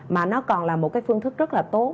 mà nó còn là một cái phương thức rất là tốt